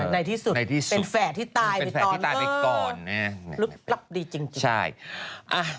ในที่สุดเป็นแฝดที่ตายไปก่อนรับดีจริงนะครับ